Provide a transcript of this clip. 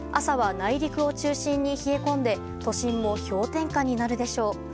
朝は内陸を中心に冷え込んで都心も氷点下になるでしょう。